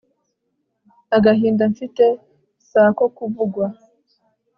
agahinda mfite si ako kuvugwa